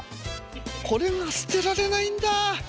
これが捨てられないんだ。